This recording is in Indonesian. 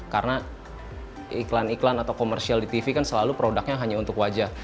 karena iklan iklan atau komersial di tv kan selalu produknya hanya untuk wajah